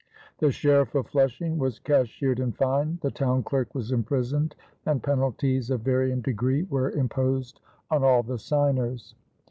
The sheriff of Flushing was cashiered and fined; the town clerk was imprisoned; and penalties of varying degree were imposed on all the signers.